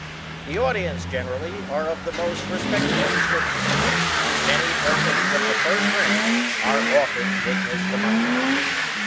The audience, generally, are of the most respectable description, and many persons of the first rank are often witnessed among them.